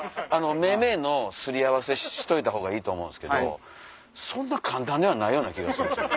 めいめいの擦り合わせしたほうがいいと思うんすけどそんな簡単ではないような気がするんすよね。